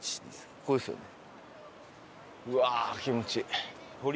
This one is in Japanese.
ここですよね。